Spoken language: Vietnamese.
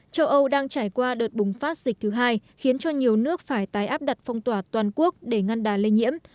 châu âu đang trải qua đợt bùng phát dịch thứ hai khiến cho nhiều nước phải tái áp đặt phong tỏa toàn quốc để ngăn đà lây nhiễm